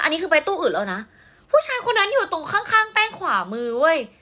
อันนี้คือไปตู้อื่นแล้วนะผู้ชายคนนั้นอยู่ตรงข้างข้างแป้งขวามือเว้ย